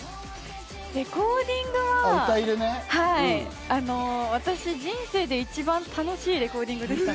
レコーディングは、私、人生で一番楽しいレコーディングでした。